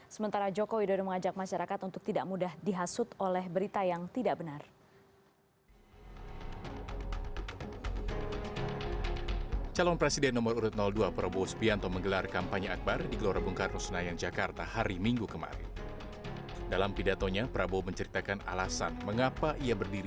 sementara joko widodo mengajak masyarakat untuk tidak mudah dihasut oleh berita yang tidak benar